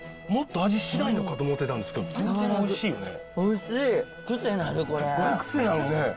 もっと味しないのかと思ってたんですけど全然おいしいよね。